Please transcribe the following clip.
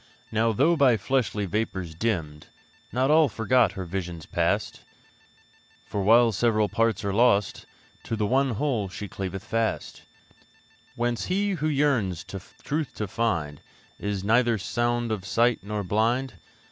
Now, though by fleshly vapours dimmed, Not all forgot her visions past; For while the several parts are lost, To the one whole she cleaveth fast; Whence he who yearns the truth to find Is neither sound of sight nor blind.